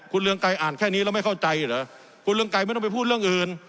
คุณเรืองไกรอ่านแค่นี้แล้วไม่เข้าใจเหรอคุณเรืองไกรไม่ต้องไปพูดเรื่องอื่น